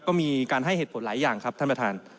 ก็มีการให้เหตุผลหลายอย่างครับท่านประธาน